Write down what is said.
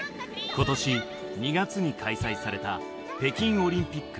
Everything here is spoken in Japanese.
今年２月に開催された北京オリンピック。